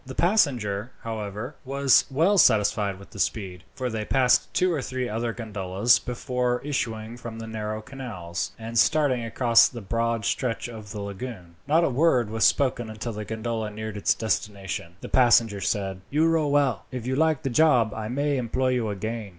The passenger, however, was well satisfied with the speed, for they passed two or three other gondolas before issuing from the narrow canals, and starting across the broad stretch of the lagoon. Not a word was spoken until the gondola neared its destination. Then the passenger said: "You row well. If you like the job I may employ you again."